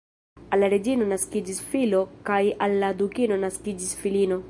Al la reĝino naskiĝis filo kaj al la dukino naskiĝis filino.